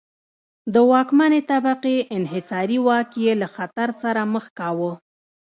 د واکمنې طبقې انحصاري واک یې له خطر سره مخ کاوه.